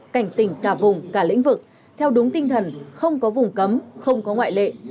cảnh tỉnh cả vùng cả lĩnh vực theo đúng tinh thần không có vùng cấm không có ngoại lệ